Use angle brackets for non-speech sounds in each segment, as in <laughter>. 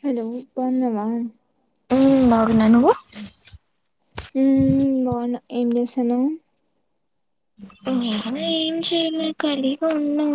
Hello బాగున్నావా హ్మ్ బాగున్నా నువ్వు ఉమ్ బాగున్నా ఏం చేస్తున్నావ్ నేను ఏం చేయాలా ఖాళీగా ఉన్నా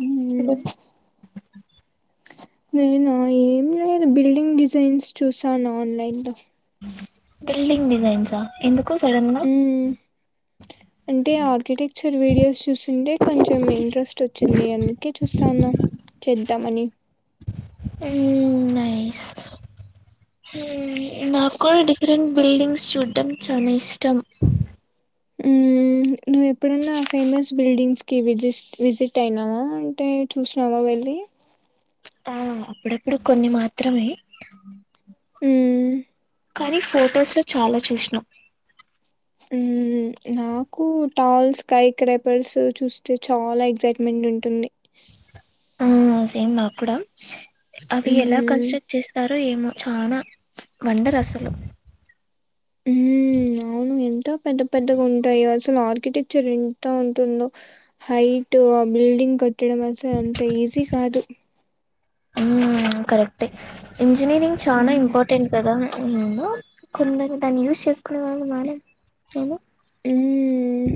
ఉమ్ హలో నేనా ఏం లేదు బిల్డింగ్ డిజైన్స్ చూసాను ఆన్లైన్ లో బిల్డింగ్ డిజైన్స్ ఆ ఎందుకు సడన్ గా హ్మ్ అంటే ఆర్కిటెక్చర్ వీడియోస్ చూసింటే కొంచెం ఇంట్రెస్ట్ వచ్చింది అందుకే చూస్తాన. చేద్దామని హ్మ్ నాకు డిఫరెంట్ బిల్డింగ్స్ చూడటడం చానా ఇష్టం హ్మ్ నువ్వు ఎప్పుడున్న ఫేమస్ బిల్డింగ్స్కి విజిస్ విజిట్ అయినావా అంటే చూసినావా వెళ్ళి ఆ అప్పుడప్పుడు కొన్ని మాత్రమే హ్మ్ కానీ ఫొటోస్ లో చాలా చూసినాం హ్మ్ నాకు టాల్ స్కై క్రేపర్స్ చూస్తే చాలా ఎక్సైట్మెంట్ ఉంటుంది. ఆ సేమ్ నాక్ కూడా అవి ఎలా ఉమ్ కన్స్ట్రక్ట్ చేస్తారో ఏమో చానా ప్చ్ వండరు అసలు హ్మ్ అవును మే ఎంత పెద్ద పెద్దగా ఉంటాయో అసలు ఆర్కిటెక్చర్ ఎంత ఉంటుందో హైట్ ఆ బిల్డింగ్ కట్టడం అసలు అంత ఈజీ కాదు హ్మ్ కరెక్ట్ ఇంజనీరింగ్ చానా హ్మ్ ఇంపార్టెంట్ కదా అమ్మమ్మో కొందరు దాన్ని యూజ్ చేసుకునే వాళ్ళు మనమ్ ఏమో హ్మ్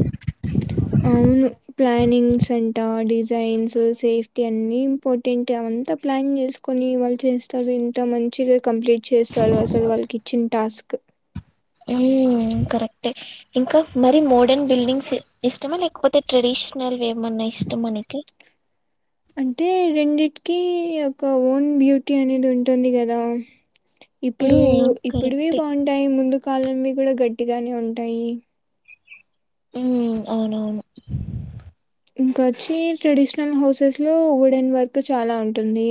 అవును ప్ల ప్లానింగ్స్ అంట డిజైన్స్ సేఫ్టీ అన్ని ఇంపార్టెంట్ అంతా ప్లాన్ చేసుకొని వాళ్ళు చేస్తారు. ఇంత మంచిగా కంప్లీట్ చేస్తారు అసలు వాళ్ళకి చిన్ంటాస్క్ హ్మ్ కరెక్ట్ ఇంకా మరి మోడర్న్ బిల్డింగ్స్ ఇష్టమా లేకపోతే ట్రెడిషనల్ వేమన్నా ఇష్టమా నికి అంటే రెండిటికి ఒక ఓన్ బ్యూటీ అనేది ఉంటుంది కదా ఇప్పుడు ఉమ్ ఇప్పుడువి కరెక్టే బాగుంటాయి ముందు కాలమ్ది కూడా గట్టిగానే ఉంటాయి. హ్మ్ అవునవును ఇంకొచ్చి ట్రెడిషనల్ హౌసెస్ లో వుడెన్ వర్క్ చాలా ఉంటుంది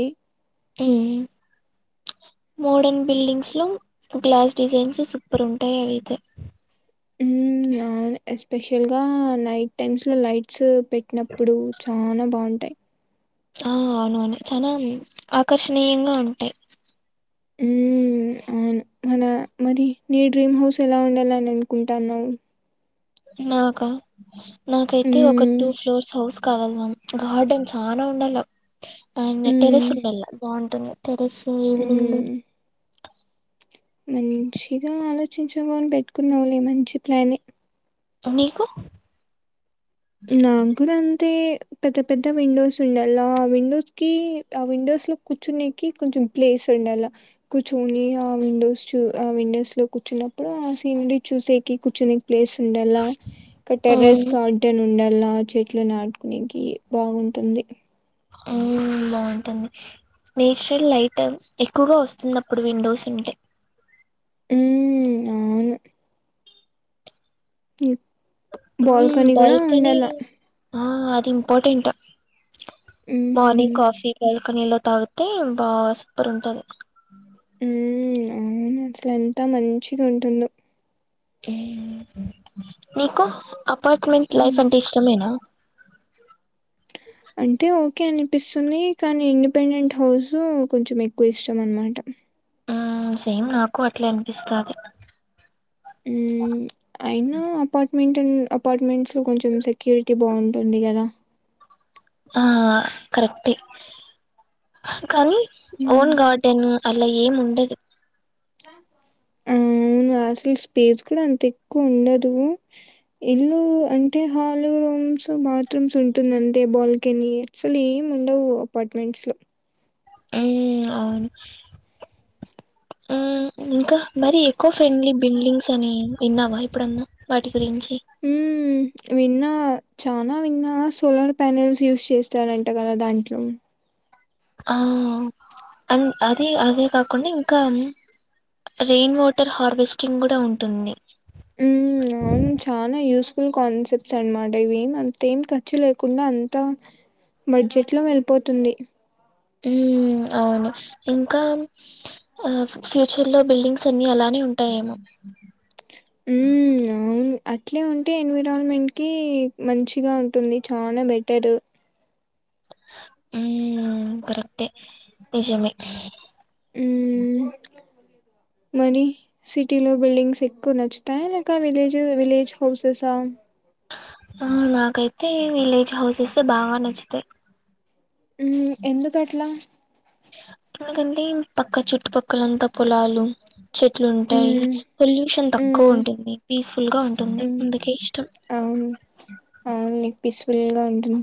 మోడర్న్ బిల్డింగ్స్ లో గ్లాస్ డిజైన్స్ సూపర్ ఉంటాయి అవైతే మ్మ్ అవును ఎస్పెషల్ గా నైట్ టైమ్స్ లో లైట్స్ పెట్టినప్పుడు చానా బాగుంటాయి ఆ అవునవును చాలా ఆకర్షణీయంగా ఉంటాయి మ్మ్ అవును మన మరి నీ డ్రీమ్ హౌస్ ఎలా ఉండాలని అనుకుంటన్నావ్ నాకా నాకైతే ఒక హ్మ్. టూ ఫ్లోర్స్ హౌస్ కావాలి మ్యామ్ గార్డెన్ చాలా రౌండు గా పైన టెర్రస్ హ్మ్. ఉండల్ల బాం అంట టెర్రస్ ఈవెనింగ్ హ్మ్. మంచిగా ఆలోచించుకొని పెట్టుకున్నావులే మంచి ప్లానే మీకు నాక్కూడా అంతే పెద్ద పెద్ద విండోస్ ఉండాల ఆ విండోస్ కి ఆ విండోస్ లో కూర్చునేకి కొంచెం ప్లేస్ ఉండాల కూర్చొని ఆ విండోస్ చూ ఆ విండోస్ లో కూర్చున్నప్పుడు ఆ సీనరీ చూసేకి కూర్చుని ప్లేస్ ఉండలా ఇంక టెర్రస్ ఉమ్ గార్డ్ దళాల్ చెట్లు నాటుకునేనికి బాగుంటుంది ఆ బాగుంటుంది నేచురల్ లైట్ ఎక్కువగా వస్తుంది అప్పుడు విండోస్ ఉంటే మ్మ్ మ్మ్ అవును మ్మ్ బాల్కనీ కూడా బాల్కనీ ఉండాల ఆ అది ఇంపార్టెంట్ మార్నింగ్ హ్మ్. కాఫీ పై ఫనిలో తాగితే బా సూపర్ ఉంటది మ్మ్ అవును అసలు ఎంత మంచిగా ఉంటుందో <unintelligible> అపార్ట్మెంట్ లైఫ్ హ్మ్. అంటే ఇష్టమేనా అంటే ఓకే అనిపిస్తుంది కానీ ఇండిపెండెంట్ హౌస్ కొంచెం ఎక్కువ ఇష్టం అనమాట ఆ సేమ్ నాకు అట్లే అనిపిస్తాది అయినా అపా మింటన్ అపార్ట్మెంట్స్ లో కొంచెం సెక్యూరిటీ బాగుంటుంది కదా ఆ కరెక్టే కానీ ఓన్ హ్మ్. గార్డెన్ అలా ఏం ఉండదు అసలు స్పేస్ కూడా అంత ఎక్కువ ఉండదు. ఇల్లు అంటే హాలు, రూమ్స్ బాత్రూమ్స్ ఉంటుంది. అంటే బాల్కనీ అసలు ఏమి ఉండవు అపార్ట్మెంట్స్ లో మ్మ్ ఇంకా మరి ఎకో ఫ్రెండ్లీ బిల్డింగ్స్ అని విన్నావా ఎప్పుడన్నా వాటి గురించి హ్మ్. విన్నా చానా విన్నా సోలార్ ప్యానెల్స్ యూజ్ చేస్తారంట కదా దాంట్లో ఆ అండ్ అదే అదే కాకుండా ఇంకా రెయిన్ వాటర్ హార్వెస్టింగ్ కూడా ఉంటుంది. హ్మ్ అవును చానా యూజ్ స్కూల్ కాన్సెప్ట్స్ అన్నమాట ఇవి అంత ఏం ఖర్చు లేకుండా అంతా బడ్జెట్ లో వెళ్ళిపోతుంది. హ్మ్ అవును ఇంకా ఆ ఫ్యూచర్ లో బిల్డింగ్స్ అన్ని అలానే ఉంటాయేమో ఉ అవును అట్లే ఉంటే ఎన్విరాన్మెంట్ కి మంచిగా ఉంటుంది చానా బెటరు హ్మ్ కరెక్టే నిజమే అ మనీ సిటీ లో బిల్డింగ్స్ ఎక్కువ నచ్చుతాయ లేక విలేజు విలేజ్ హౌసెసా ఆ నాకైతే విలేజ్ హౌసెస్ బాగా నచ్చుతాయి హ్మ్ ఎందుకట్లా హ ఎందుకంటే పక్క చుట్టుపక్కలంతా పొలాలు చెట్లు ఉంటాయి. హ్మ్. పొల్యూషన్ తక్కువ హ్మ్. ఉంటుంది. పీస్ఫుల్ గా ఉంటుంది. హ్మ్. అందుకే ఇష్టం. ఫుల్ గా ఉంటున్న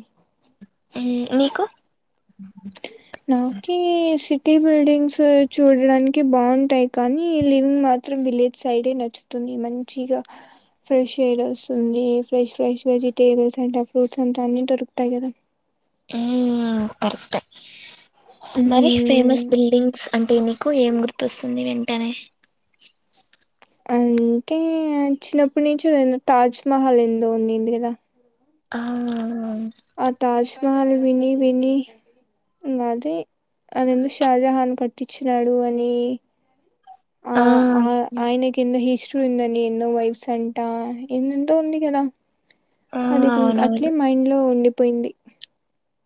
హ్మ్ నీకు నాకేసి సిటీ బిల్డింగ్స్ చూడడానికి బావుంటాయి. కానీ లివింగ్ మాత్రం విలేజ్ సైడే నచ్చుతుంది. మంచిగా ఫ్రెష్ ఎయిర్ వస్తుంది. ఫ్రెష్ ఫ్రెష్ వెజిటేబుల్స్ అంట ఫ్రూట్స్ అంట అన్ని దొరుకుతాయి కదా. హ్మ్ కరెక్టే మరి మ్మ్ ఫేమస్ బిల్డింగ్స్ అంటే నీకు ఏం గుర్తొస్తుంది వెంటనే అంటే చిన్నప్పటి నుంచి నేను తాజ్మహల్ ఎందో ఉందింది కదా. అ ఆ తాజ్ మాల్ విని విని ఇగా అది అది ఏంది షాజహాన్ కట్టించినాడు అని ఆ ఆ ఆయన కిందఈస్ట్ ఎన్నెన్ని ఎన్నో వైఫ్స్ అంటా ఏం ఏందో ఉంది కదా ఆ అది ఇంక అట్లే అవునవును మైండ్ లో ఉండి పోయింది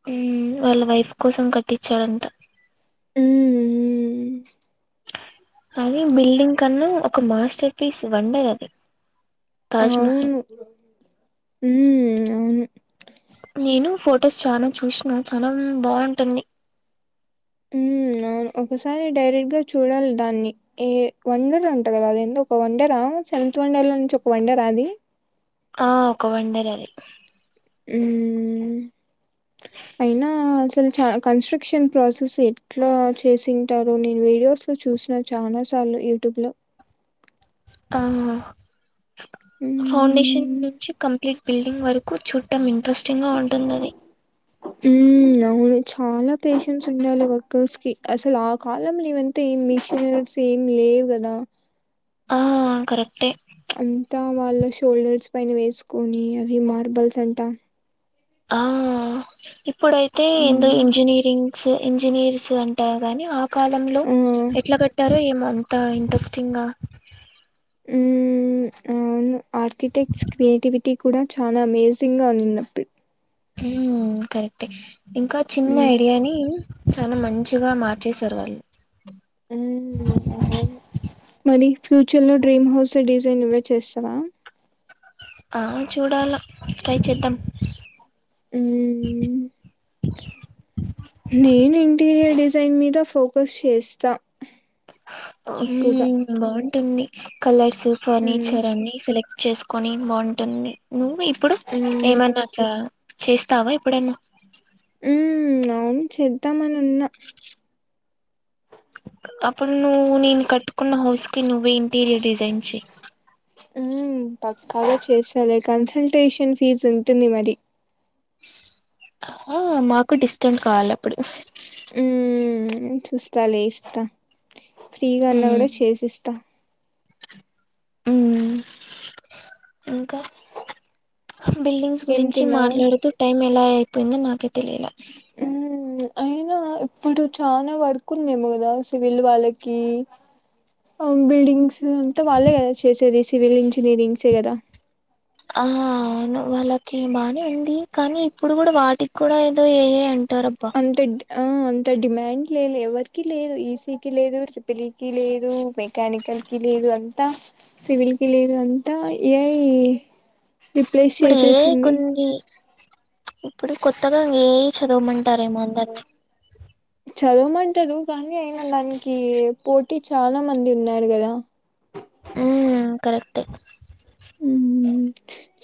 హ్మ్ వాళ్ళ వైఫ్ కోసం కట్టించాడంట. హ్మ్ మ్మ్ మ్మ్ అది బిల్డింగ్ కన్నా ఒక మాస్టర్ పీస్ వండర్ అది తాజ్మహల్ అవును హ్మ్ అవును అటస్ చానా చూసినా చానా బావుంటుంది. హ్మ్ అవును ఒకసారి డైరెక్ట్ గా చూడాలి దాన్ని ఏ వండర్ అంట కదా అది ఏందో ఒక వండరా సెవెంత్ వండర్ లో నుంచి ఒక వండరా అది ఆ ఒక వండర్ అది ఊ ఉ అయినా అసలు చాన కన్స్ట్రక్షన్ ప్రాసెస్ ఎట్లా చేసింటారు. నేను వీడియోస్ లో చూసిన చాలా సార్లు యూట్యూబ్ లో. ఆహ మ్మ్ ఫౌండేషన్ నుంచి కంప్లీట్ బిల్డింగ్ వరకు చుట్టం ఇం ఇంట్రెస్టింగ్ గా ఉంటుందని ఉ అవును చాలా పేషన్స్ ఉండాలి. వర్కర్స్ కి అసలు ఆ కాలంలో ఇవంతా ఏం మిషన్స్ ఏమి లేవు కదా. ఆ కరెక్ట్ అంతా వాళ్ళ షోల్డర్స్ పైన వేసుకొని అవి మార్బల్స్ అంట ఆ ఇప్పుడైతే ఏందో మ్మ్ ఇంజనీరింగ్ ఇంజనీర్స్ అంటా కానీ ఆ కాలంలో ఆ ఎట్లా కట్టారు ఏమో అంతా ఇంట్రెస్టింగ్ ఆ ఉ అవును ఆర్కిటెక్ట్స్ క్రియేటివిటీ కూడా చాలా అమేజింగ్ గా ఉన్నింది అప్పుడు హ కరెక్ట్ ఇంకా చిన్న మ్మ్ ఐడియాని చాలా మంచిగా మార్చేసారు వాళ్ళు ఉ అవును మరి ఫ్యూచర్ లో డ్రీమ్ హౌస్ డిజైన్ నువే చేసావా ఆ చూడాల ట్రై చేద్దాం ఊ నేను ఇంటీరియర్ డిసైన్ జైన్ మీద ఫోకస్ చేస్తా అ ఎక్కువగా హ్ బాన్ టుంది కలర్స్ మ్మ్ ఫర్నిచర్ అన్ని సెలెక్ట్ చేసుకొని బాగుంటుంది నువ్వు ఇ ఇప్పుడు మ్మ్ ఏమన్న అట్లా చేస్తావా ఇప్పుడన్న ఉ అవును చేద్దామని ఉన్నా అప్పుడు నువ్వు నేను కట్టుకున్న హౌస్ కి నువ్వే ఇంటీరియర్ డిజైన్ చేయ్. ఆ పక్కాగా చేస్తాలి కన్సల్టేషన్ ఫీజు ఉంటుంది మరి ఆ మాకు డిస్కౌంట్ కావాలి అప్పుడు ఉ చూస్తా లే ఇస్తా ఫ్రీగా అన్నా ఉమ్ కూడా చేసిస్తా హు ఇంకా బిల్డింగ్స్ ఏం గురించి తిన్నావు మాట్లాడుతూ టైం ఎలాఅయిపోయిందొ నాకే తెలియలే మ్మ్, అయినా ఇప్పుడు చాలా వర్క్ ఉందిేమోదా కదా సివిల్ వాళ్ళకి బిల్డింగ్స్ అంతా వాళ్ళే కదా చేసేది సివిల్ ఇంజనీరింగ్ చేయరా ఆ అవును వాళ్ళకి బానే ఉంది కానీ ఇప్పుడు కూడా వాటికి కూడా ఏదో ఏ అంట టరబ్బా అంత డ్- ఆ అంత డిమాండ్ లేదు ఎవరికి లేదు ఈసీకి లేదు ర్రిపిల్ కి లేదు మెకానికల్ కి లేదు అంతా సివిల్ కి లేదు అంతా ఏ ఐ రిప్లేస్ ఇప్పుడు ఏఐ చేసేసింది కుంది ఇప్పుడు కొత్తగా ఏఐ చదవమంటారేమో అందరినీ చదవమంటారు కానీ అయినా దానికి పోటీ చాలా మంది ఉన్నారు కదా హు కరెక్ట్ ఏ ఉ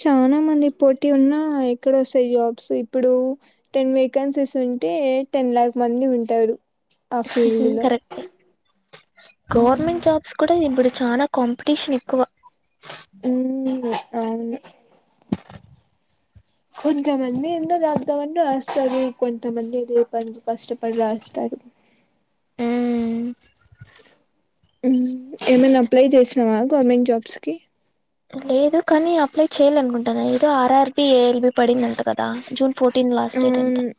చనా మంది పోటీ ఉన్నా ఎక్కడ వస్తాయి జాబ్స్ ఇప్పుడు టెన్ వేకెన్సీస్ ఉంటే టెన్ లాక్ మంది ఉంటారు ఆ ఫీల్డ్ లో కరెక్టే గవర్నమెంట్ జాబ్స్ కూడా ఇప్పుడు చాలా కాంపిటీషన్ ఎక్కువ అవును కొంతమంది ఏందో రాద్దామని రాస్తారు కొంతమంది ఏద ప కష్టపడి రాస్తారు హు ఏమైనా అప్లై చేసినావా గవర్నమెంట్ జాబ్స్ కి లేదు కానీ అప్లై చెయాల అనుకుంటాను ఏదో ఆర్ఆర్బి ఏఎల్బి పడిందంట కదా జూన్ ఫోర్టీన్ లాస్ట్ డేట్ అంట అవును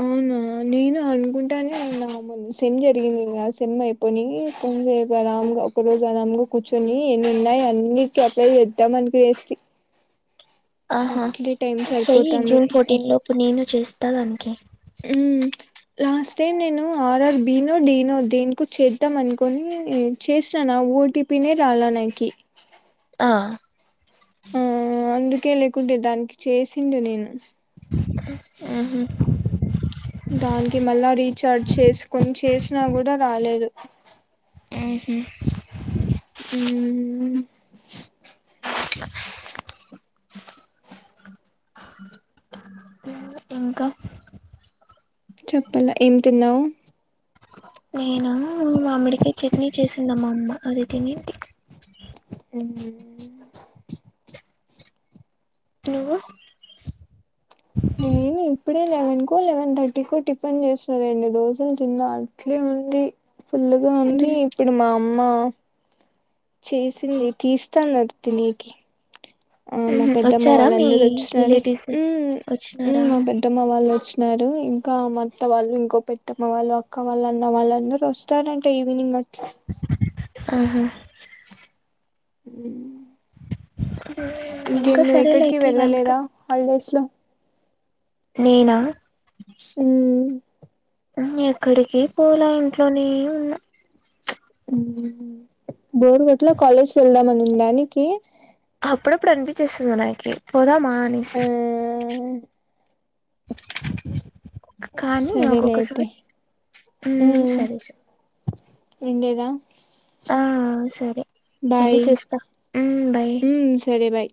అవునా నేను అనుకుంటానే ఉన్నా సెమ్ జరిగింది నా సెమ్ అయిపోని అరామ్గా ఒక రోజు అరామ్గా కూర్చొని ఏన్ని ఉన్నాయి అన్నిటి అప్లై చేద్దాం అనికు చేసి ఆహా చెయ్యి సరిపోతుంది జూన్ ఫోర్టీన్ లోపు నేను చేస్తా దనికి లాస్ట్ టైం నేను ఆర్ఆర్ బీనో డీనో దేనికో చేద్దాం అనుకొని చేసాను ఓటీపీనే రాలా నాకి ఆ ఆ అందుకే లేకుంటే దానికి చేసింది నేను హు హు దానికి మళ్ళా రీచార్జ్ చేసుకొని చేసినా కూడా రాలేదు ఉహు. ఉ ఇంకా చెప్పాలా ఏం తిన్నావు నేను మామిడికాయ చట్నీ చేసిందమ్మా అమ్మ అది తనింటి అ నువ్వు నేను ఇప్పుడే లెవెన్ కొ లెవెన్ థర్టీ కొ టిఫిన్ చేసిన రెండు దోసలు తిన్న అట్లే ఉంది ఫుల్ గా ఉంది ఇప్పుడు మా అమ్మో చేసింది తీస్తాన్నారు తినేకి అవ్నా మా ఉహు పెద్దమ్మ వచ్చారా వాళ్ళ మీ అందర వచ్చినారు రిలేటివ్స్ హ్మ్ హ్మ్ వచ్చినారా మా పెద్దమ్మ వాళ్ళు వచ్చ న్నారు ఇంకా మా అత్త వాళ్ళు ఇంకో పెద్దమ్మ వాళ్ళు అక్క వాళ్ళు అన్న వాళ్ళు అందరు వస్తారంట ఈవినింగ్ అట్ ఆహా హ్మ్ ఇంకేమే ఇంకా న సరేలే ఎక్కడికి అయితే వాళ్ళతో వెళ్ళలేదాళ్ళ హాల్ డేస్ లో నేనా మ్మ్ ఎక్కడికి పోలా ఇంట్లోనే ఉన్నా ప్చ్ హ్మ్ బోర్ కొట్లో కాలేజ్కి వెళ్దామనిన్డానికి అప్పుడప్పుడు అనిపించేస్తాది నాకి పోదా మా అనేసి ఆ కానీ సరేలే అయితే ఒక్కొక్కసారి ఉమ్ సరే సరే ఉండేదా ఆ సరే మళ్ళీ బాయ్ చేస్తా ఉమ్ బై ఉమ్ సరే బాయ్